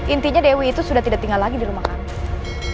intinya dewi itu sudah tidak tinggal lagi di rumah kami